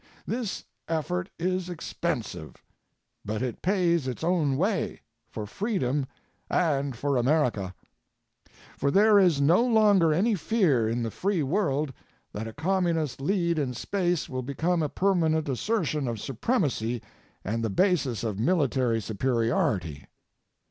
This effort is expensive ŌĆō but it pays its own way, for freedom and for America. For there is no longer any fear in the free world that a Communist lead in space will become a permanent assertion of supremacy and the basis of military superiority.